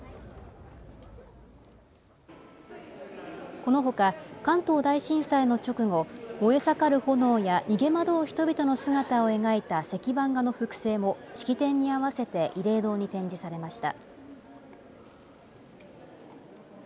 このほか、関東大震災の直後、燃え盛る炎や逃げ惑う人々の姿を描いた石版画の複製も式典に合わせて慰霊堂に展示されました。